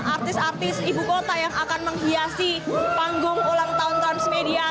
artis artis ibu kota yang akan menghiasi panggung ulang tahun transmedia